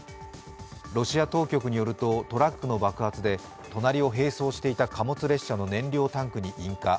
ロシア当局によると、トラックの爆発で隣を併走していた貨物列車の燃料タンクに引火。